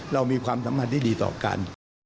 เรามีความสัมผัสที่ดีต่อกัน